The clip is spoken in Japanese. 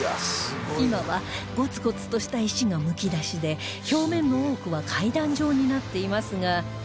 今はゴツゴツとした石がむき出しで表面の多くは階段状になっていますが